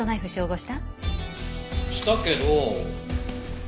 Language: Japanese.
したけど。